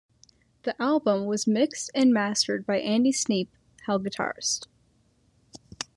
The album was mixed and mastered by Andy Sneap, Hell guitarist.